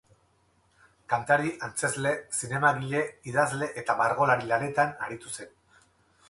Kantari, antzezle, zinemagile, idazle eta margolari lanetan aritu zen.